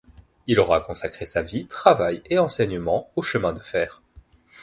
Il aura consacré sa vie, travail et enseignement, aux chemins de fer.